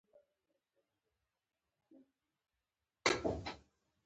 لرګي ته نجار پاملرنه کوي.